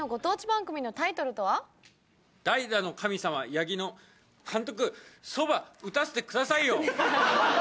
「代打の神様・八木の監督そば打たせて下さいよ」。